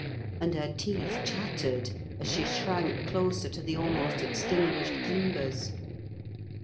And her teeth chattered as she shrank closer to the almost extinguished embers.